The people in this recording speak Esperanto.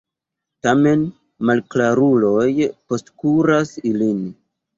Tamen, malklaruloj postkuras ilin.